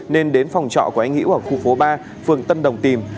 nên đến phòng trọ của anh hữu ở khu phố ba phường tân đồng tìm